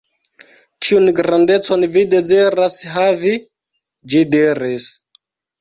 "Kiun grandecon vi deziras havi?" ĝi diris.